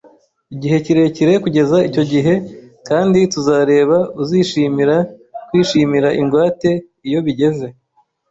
igihe kirekire kugeza icyo gihe; kandi tuzareba uzishimira kwishimira ingwate iyo bigeze